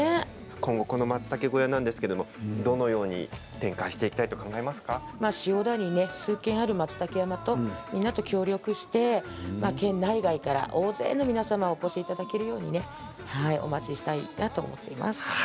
今後、このまつたけ小屋なんですけどどのように展開していきたいと塩田にね、数軒あるまつたけ山とみんなと協力して県内外から大勢の皆様お越しいただけるようにお待ちしたいなと思っています。